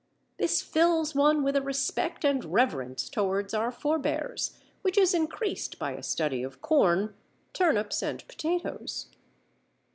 This fills one with a respect and reverence towards our forbears, which is increased by a study of corn, turnips, and potatoes.